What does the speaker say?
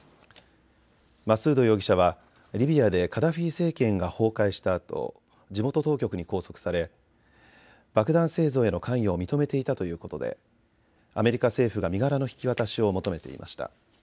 マスード容疑者はリビアでカダフィ政権が崩壊したあと地元当局に拘束され爆弾製造への関与を認めていたということでアメリカ政府が身柄の引き渡しを求めていました。